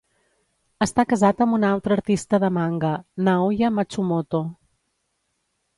Està casat amb una altra artista de manga, Naoya Matsumoto.